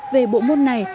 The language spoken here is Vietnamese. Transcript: về bộ môn này